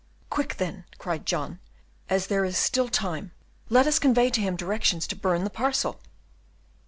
"Quick then," cried John, "as there is still time, let us convey to him directions to burn the parcel."